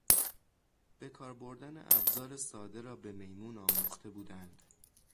به کار بردن ابزار ساده را به میمون آموخته بودند.